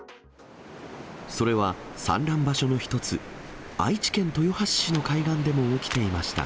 それは産卵場所の一つ、愛知県豊橋市の海岸でも起きていました。